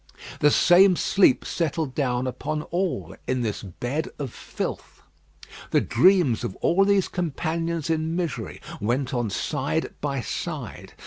The same sleep settled down upon all in this bed of filth. The dreams of all these companions in misery went on side by side.